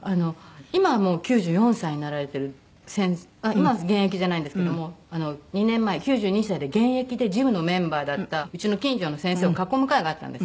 今現役じゃないんですけども２年前９２歳で現役でジムのメンバーだったうちの近所の先生を囲む会があったんです。